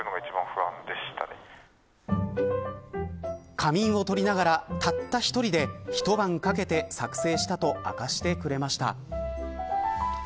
仮眠を取りながらたった１人で一晩かけて作成したと明かしてくれました。